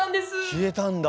消えたんだ？